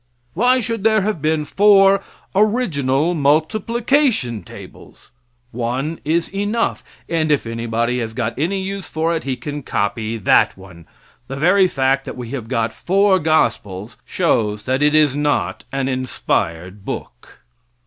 Why should there have been four original multiplication tables? One is enough, and if anybody has got any use for it he can copy that one. The very fact that we have got four gospels shows that it is not an inspired book.